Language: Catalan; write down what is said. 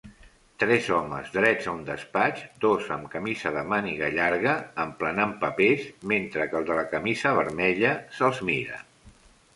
tres homes drets a un despatx, dos amb camisa de màniga llarga emplenant papers mentre el de la camisa vermella se'ls mira